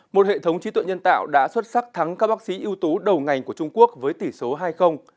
một hệ thống trí tuệ nhân tạo đã xuất sắc thắng các bác sĩ ưu tú đầu ngành của trung quốc với tỷ số hai